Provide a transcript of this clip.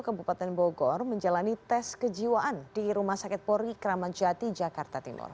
kepupatan bogor menjalani tes kejiwaan di rumah sakit pori keramat jati jakarta timur